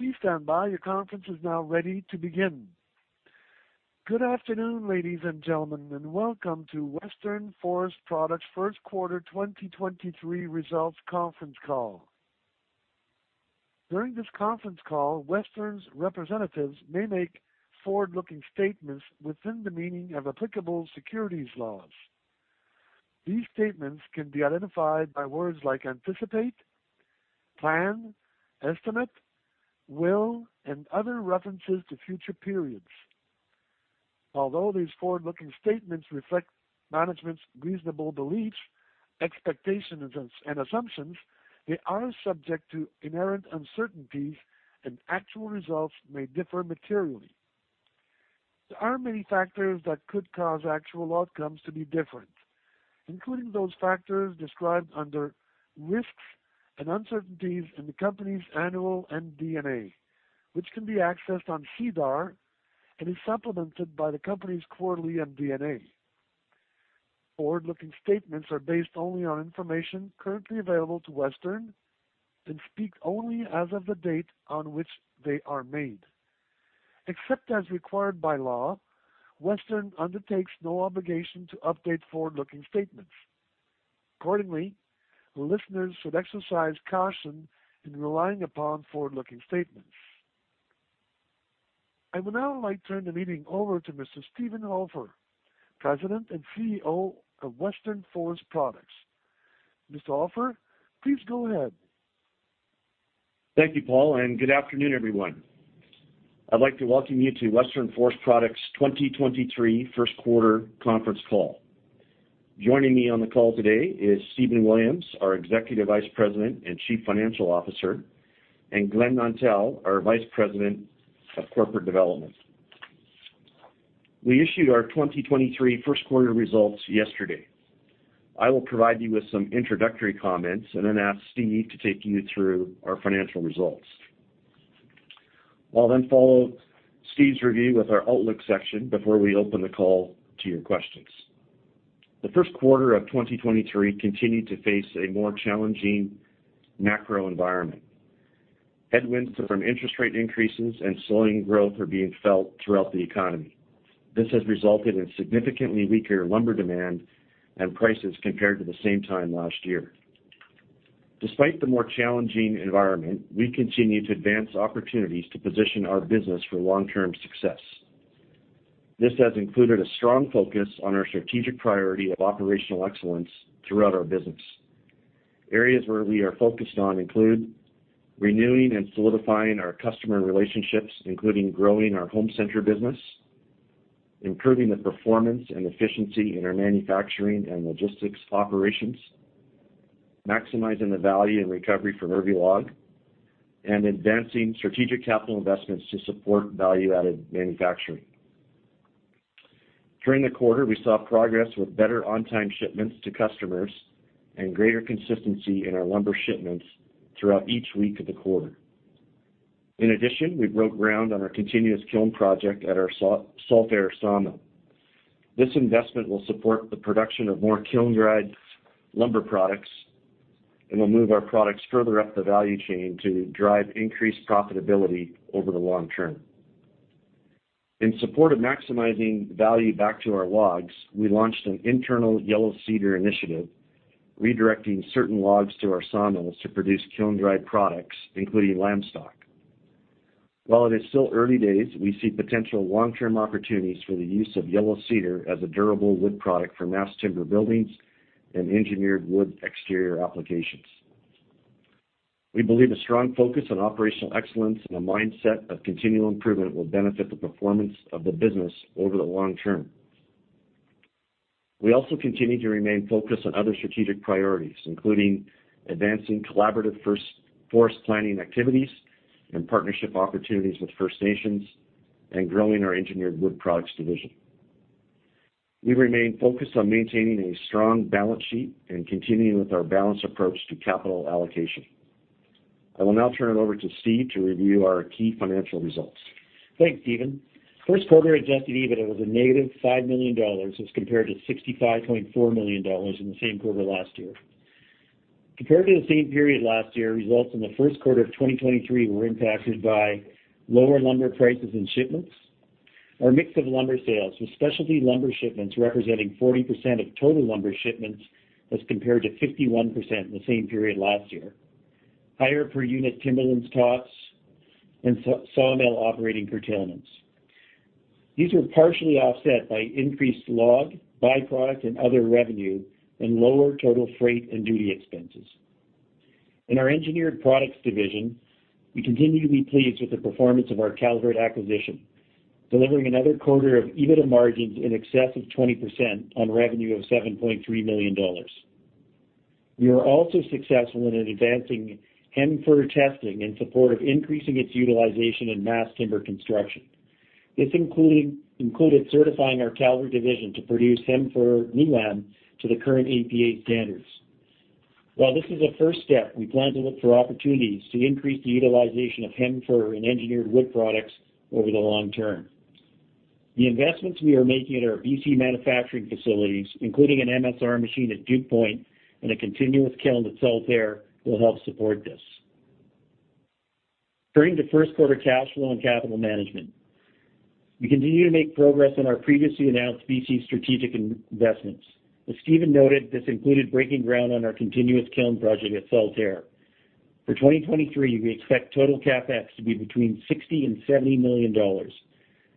Please stand by. Your conference is now ready to begin. Good afternoon, ladies and gentlemen, and welcome to Western Forest Products First Quarter 2023 Results Conference Call. During this conference call, Western's representatives may make forward-looking statements within the meaning of applicable securities laws. These statements can be identified by words like anticipate, plan, estimate, will, and other references to future periods. Although these forward-looking statements reflect management's reasonable beliefs, expectations, and assumptions, they are subject to inherent uncertainties, and actual results may differ materially. There are many factors that could cause actual outcomes to be different, including those factors described under Risks and Uncertainties in the Company's annual MD&A, which can be accessed on SEDAR and is supplemented by the Company's quarterly MD&A. Forward-looking statements are based only on information currently available to Western and speak only as of the date on which they are made. Except as required by law, Western undertakes no obligation to update forward-looking statements. Accordingly, listeners should exercise caution in relying upon forward-looking statements. I would now like to turn the meeting over to Mr. Steven Hofer, President and CEO of Western Forest Products. Mr. Hofer, please go ahead. Thank you, Paul, and good afternoon, everyone. I'd like to welcome you to Western Forest Products 2023 first quarter conference call. Joining me on the call today is Stephen Williams, our Executive Vice President and Chief Financial Officer, and Glen Nontel, our Vice President of Corporate Development. We issued our 2023 first quarter results yesterday. I will provide you with some introductory comments and then ask Steve to take you through our financial results. I'll then follow Steve's review with our outlook section before we open the call to your questions. The first quarter of 2023 continued to face a more challenging macro environment. Headwinds from interest rate increases and slowing growth are being felt throughout the economy. This has resulted in significantly weaker lumber demand and prices compared to the same time last year. Despite the more challenging environment, we continue to advance opportunities to position our business for long-term success. This has included a strong focus on our strategic priority of operational excellence throughout our business. Areas where we are focused on include renewing and solidifying our customer relationships, including growing our home center business, improving the performance and efficiency in our manufacturing and logistics operations, maximizing the value and recovery from every log, and advancing strategic capital investments to support value-added manufacturing. During the quarter, we saw progress with better on-time shipments to customers and greater consistency in our lumber shipments throughout each week of the quarter. In addition, we broke ground on our continuous kiln project at our Saltair sawmill. This investment will support the production of more kiln-dried lumber products and will move our products further up the value chain to drive increased profitability over the long term. In support of maximizing value back to our logs, we launched an internal yellow cedar initiative, redirecting certain logs to our sawmills to produce kiln-dried products, including lamstock. While it is still early days, we see potential long-term opportunities for the use of yellow cedar as a durable wood product for mass timber buildings and engineered wood exterior applications. We believe a strong focus on operational excellence and a mindset of continual improvement will benefit the performance of the business over the long term. We also continue to remain focused on other strategic priorities, including advancing collaborative forest planning activities and partnership opportunities with First Nations and growing our engineered wood products division. We remain focused on maintaining a strong balance sheet and continuing with our balanced approach to capital allocation. I will now turn it over to Steve to review our key financial results. Thanks, Stephen. First quarter adjusted EBITDA was a negative 55 million dollars as compared to 65.4 million dollars in the same quarter last year. Compared to the same period last year, results in the first quarter of 2023 were impacted by lower lumber prices and shipments, our mix of lumber sales, with specialty lumber shipments representing 40% of total lumber shipments as compared to 51% in the same period last year, higher per unit timberlands costs, and sawmill operating curtailments. These were partially offset by increased log, byproduct, and other revenue and lower total freight and duty expenses. In our engineered products division, we continue to be pleased with the performance of our Calvert acquisition, delivering another quarter of EBITDA margins in excess of 20% on revenue of 7.3 million dollars. We are also successful in advancing Hem Fir testing in support of increasing its utilization in mass timber construction. This included certifying our Calvert division to produce Hem Fir glulam to the current APA standards. While this is a first step, we plan to look for opportunities to increase the utilization of Hem Fir in engineered wood products over the long term. The investments we are making at our BC manufacturing facilities, including an MSR machine at Duke Point and a continuous kiln at Saltair, will help support this. Turning to first quarter cash flow and capital management. We continue to make progress on our previously announced BC strategic investments. As Steven noted, this included breaking ground on our continuous kiln project at Saltair. For 2023, we expect total CapEx to be between 60 million-70 million dollars,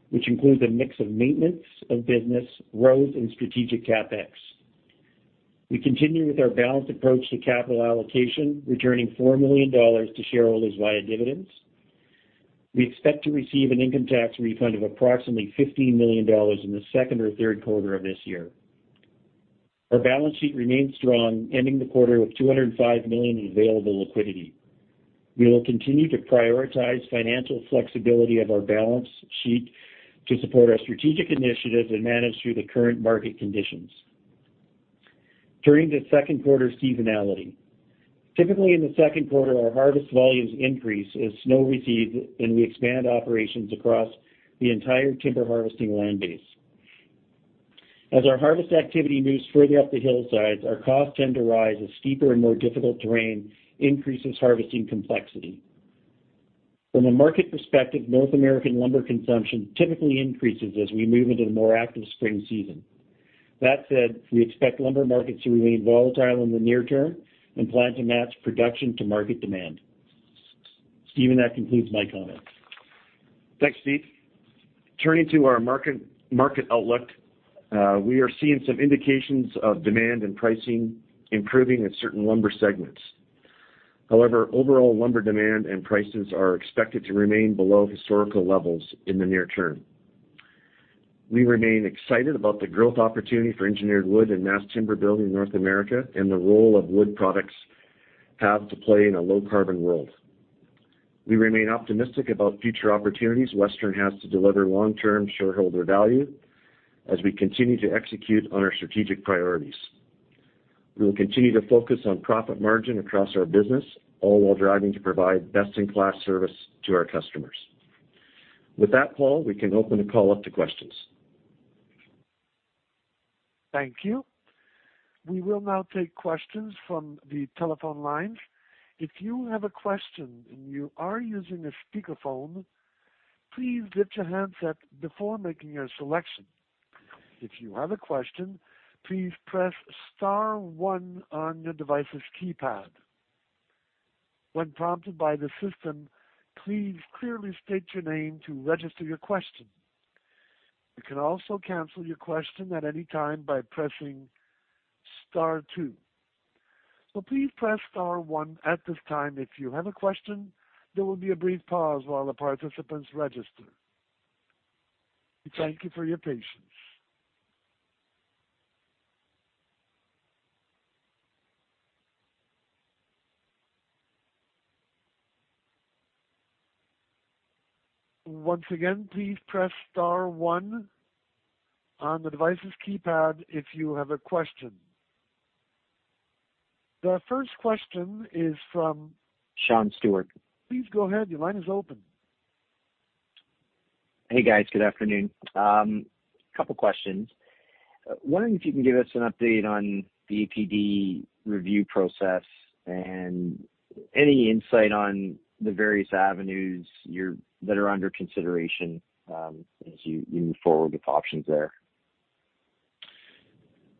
which includes a mix of maintenance of business, growth, and strategic CapEx. We continue with our balanced approach to capital allocation, returning 4 million dollars to shareholders via dividends. We expect to receive an income tax refund of approximately 15 million dollars in the second or third quarter of this year. Our balance sheet remains strong, ending the quarter with 205 million in available liquidity. We will continue to prioritize financial flexibility of our balance sheet to support our strategic initiatives and manage through the current market conditions. Turning to second quarter seasonality. Typically, in the second quarter, our harvest volumes increase as snow recedes, and we expand operations across the entire timber harvesting land base. As our harvest activity moves further up the hillsides, our costs tend to rise as steeper and more difficult terrain increases harvesting complexity. From a market perspective, North American lumber consumption typically increases as we move into the more active spring season. That said, we expect lumber markets to remain volatile in the near term and plan to match production to market demand. Steven, that concludes my comments. Thanks, Steve. Turning to our market outlook, we are seeing some indications of demand and pricing improving in certain lumber segments. However, overall lumber demand and prices are expected to remain below historical levels in the near term. We remain excited about the growth opportunity for engineered wood and mass timber build in North America and the role of wood products have to play in a low carbon world. We remain optimistic about future opportunities Western has to deliver long-term shareholder value as we continue to execute on our strategic priorities. We will continue to focus on profit margin across our business, all while driving to provide best-in-class service to our customers. With that, Paul, we can open the call up to questions. Thank you. We will now take questions from the telephone lines. If you have a question and you are using a speakerphone, please mute your handset before making your selection. If you have a question, please press star one on your device's keypad. When prompted by the system, please clearly state your name to register your question. You can also cancel your question at any time by pressing star two. Please press star one at this time if you have a question. There will be a brief pause while the participants register. We thank you for your patience. Once again, please press star one on the device's keypad if you have a question. The first question is from- Sean Steuart. Please go ahead. Your line is open. Hey, guys. Good afternoon. Couple questions. Wondering if you can give us an update on the APD review process and any insight on the various avenues that are under consideration, as you move forward with options there?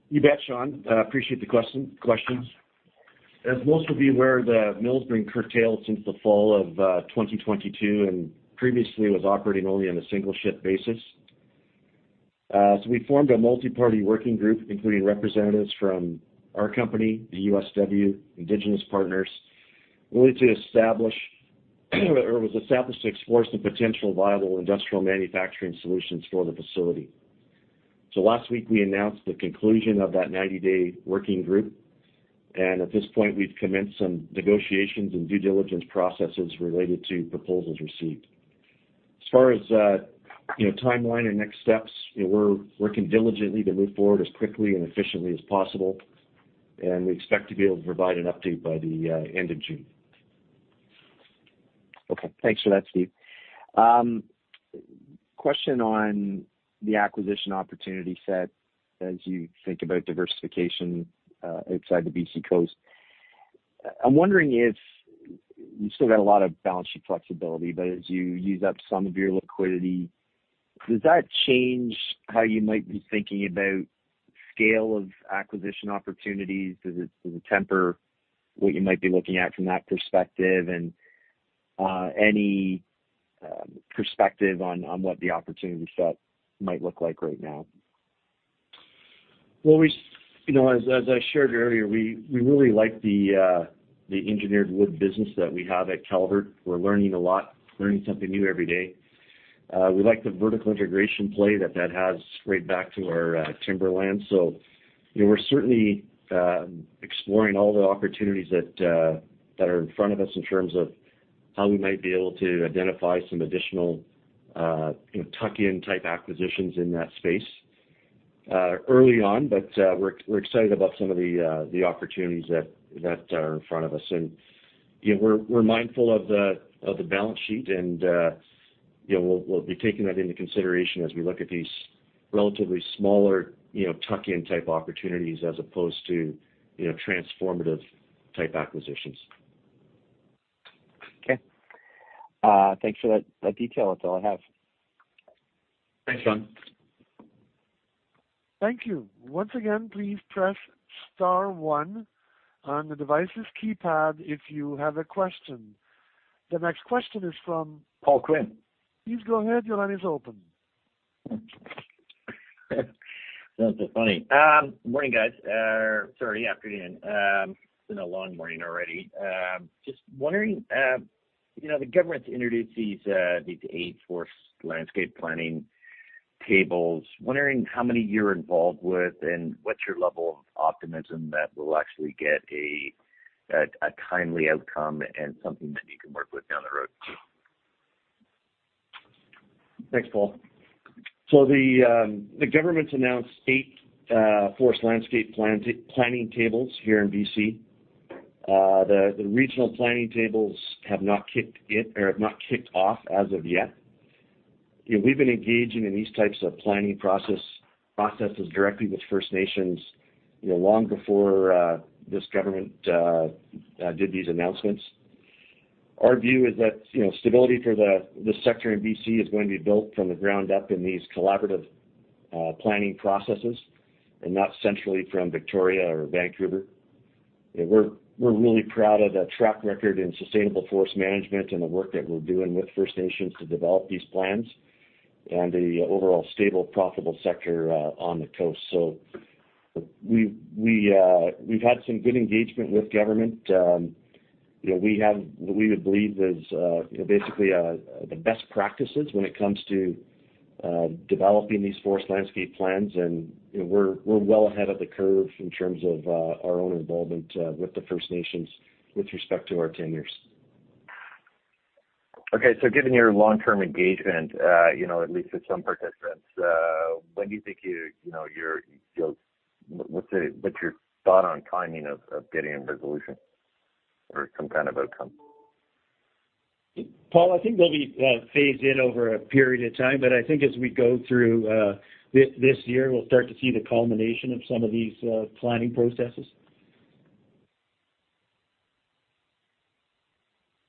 You bet, Sean. Appreciate the question, questions. As most of you are aware, the mill's been curtailed since the fall of 2022 and previously was operating only on a single shift basis. We formed a multi-party working group, including representatives from our company, the USW, Indigenous partners, was established to explore some potential viable industrial manufacturing solutions for the facility. Last week, we announced the conclusion of that 90-day working group, and at this point, we've commenced some negotiations and due diligence processes related to proposals received. As far as, you know, timeline and next steps, you know, we're working diligently to move forward as quickly and efficiently as possible, and we expect to be able to provide an update by the end of June. Okay. Thanks for that, Steve. Question on the acquisition opportunity set as you think about diversification, outside the BC coast. I'm wondering if you still got a lot of balance sheet flexibility, but as you use up some of your liquidity, does that change how you might be thinking about scale of acquisition opportunities? Does it temper what you might be looking at from that perspective? Any perspective on what the opportunity set might look like right now? Well, you know, as I shared earlier, we really like the engineered wood business that we have at Calvert. We're learning a lot, learning something new every day. We like the vertical integration play that has right back to our timberland. You know, we're certainly exploring all the opportunities that are in front of us in terms of how we might be able to identify some additional, you know, tuck-in type acquisitions in that space. Early on, but we're excited about some of the opportunities that are in front of us. You know, we're mindful of the balance sheet, and, you know, we'll be taking that into consideration as we look at these relatively smaller, you know, tuck-in type opportunities as opposed to, you know, transformative type acquisitions. Okay. Thanks for that detail. That's all I have. Thanks, Sean. Thank you. Once again, please press star one on the devices keypad if you have a question. The next question is from- Paul Quinn. Please go ahead. Your line is open. Sounds so funny. Good morning, guys. Sorry, afternoon. It's been a long morning already. Just wondering, you know, the government's introduced these 8 Forest Landscape Planning tables. Wondering how many you're involved with, and what's your level of optimism that we'll actually get a timely outcome and something that you can work with down the road, please? Thanks, Paul. The government's announced eight Forest Landscape Planning tables here in BC. The regional planning tables have not kicked off as of yet. You know, we've been engaging in these types of planning processes directly with First Nations, you know, long before this government did these announcements. Our view is that, you know, stability for the sector in BC is going to be built from the ground up in these collaborative planning processes and not centrally from Victoria or Vancouver. You know, we're really proud of the track record in sustainable forest management and the work that we're doing with First Nations to develop these plans and the overall stable, profitable sector on the coast. We've had some good engagement with government. You know, we have what we would believe is, you know, basically, the best practices when it comes to, developing these Forest Landscape Plans. You know, we're well ahead of the curve in terms of, our own involvement, with the First Nations with respect to our tenures. Okay. Given your long-term engagement, you know, at least with some participants, when do you think you know, what's your thought on timing of getting a resolution or some kind of outcome? Paul, I think they'll be phased in over a period of time. I think as we go through this year, we'll start to see the culmination of some of these planning processes.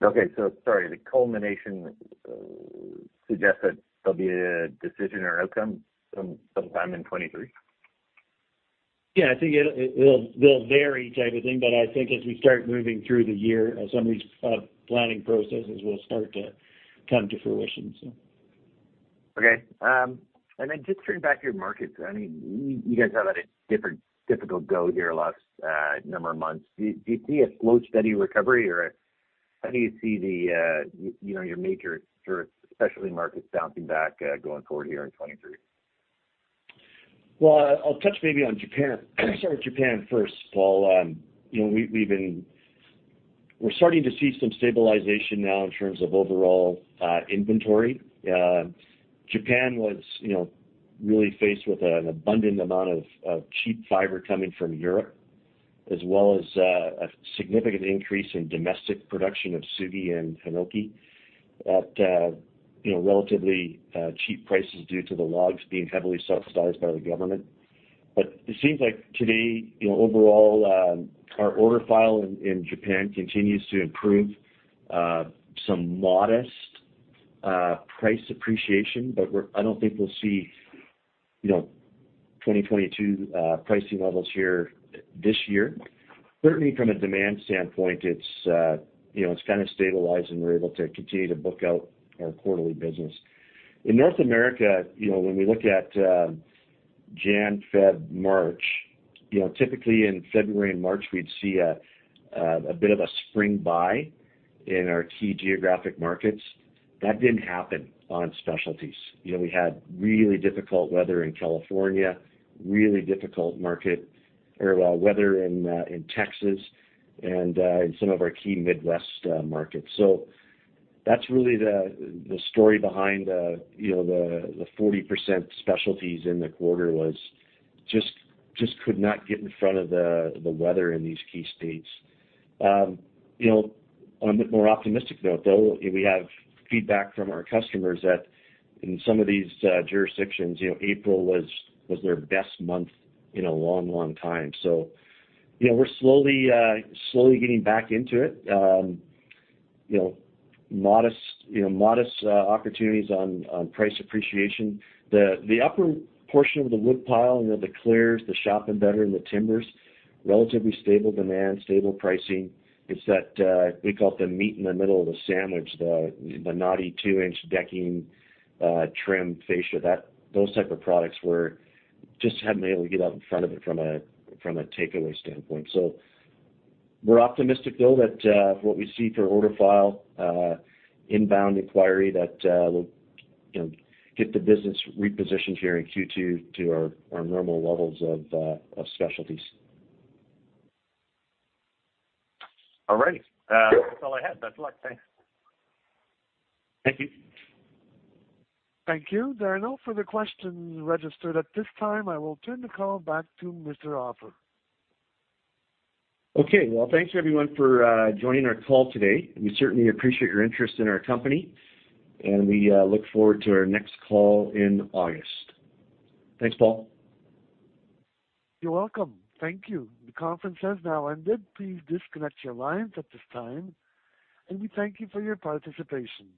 Okay. sorry, the culmination suggests that there'll be a decision or outcome sometime in 2023? Yeah, I think it'll vary type of thing, but I think as we start moving through the year, some of these planning processes will start to come to fruition, so. Okay. Just turning back to your markets, I mean, you guys have had a different difficult go here the last number of months. Do you see a slow, steady recovery? How do you see the, you know, your major tourist specialty markets bouncing back going forward here in 2023? Well, I'll touch maybe on Japan. I'll start with Japan first, Paul. You know, we're starting to see some stabilization now in terms of overall inventory. Japan was, you know, really faced with an abundant amount of cheap fiber coming from Europe, as well as a significant increase in domestic production of Sugi and Hinoki at, you know, relatively cheap prices due to the logs being heavily subsidized by the government. It seems like today, you know, overall, our order file in Japan continues to improve, some modest price appreciation. I don't think we'll see, you know, 2022 pricing levels here this year. Certainly from a demand standpoint, it's, you know, it's kind of stabilized, and we're able to continue to book out our quarterly business. In North America, you know, when we look at Jan, Feb, March, you know, typically in February and March, we'd see a bit of a spring buy in our key geographic markets. That didn't happen on specialties. You know, we had really difficult weather in California, really difficult weather in Texas and in some of our key Midwest markets. That's really the story behind, you know, the 40% specialties in the quarter was just could not get in front of the weather in these key states. You know, on a more optimistic note, though, we have feedback from our customers that in some of these jurisdictions, you know, April was their best month in a long, long time. You know, we're slowly getting back into it. you know, modest, you know, modest opportunities on price appreciation. The upper portion of the woodpile, you know, the clears, the shop and better and the timbers, relatively stable demand, stable pricing. It's that we call it the meat in the middle of the sandwich, the knotty two-inch decking, trim fascia, that those type of products were just hadn't been able to get out in front of it from a, from a takeaway standpoint. We're optimistic though that what we see for order file, inbound inquiry that will, you know, get the business repositioned here in Q2 to our normal levels of specialties. All right. Yeah. That's all I had. Best of luck. Thanks. Thank you. Thank you. There are no further questions registered at this time. I will turn the call back to Steven Hofer. Okay. Well, thanks everyone for joining our call today. We certainly appreciate your interest in our company, and we look forward to our next call in August. Thanks, Paul. You're welcome. Thank you. The conference has now ended. Please disconnect your lines at this time, and we thank you for your participation.